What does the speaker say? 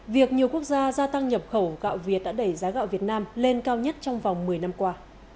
việc nhiều quốc gia gia tăng nhập khẩu gạo việt đã đẩy giá gạo việt nam lên cao nhất trong vòng một mươi năm qua